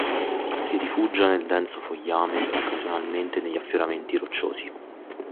Si rifugia nel denso fogliame e occasionalmente negli affioramenti rocciosi.